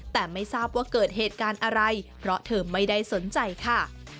แต่ไม่ทราบว่าเกิดเหตุการณ์อะไรเพราะเธอไม่ได้สนใจค่ะ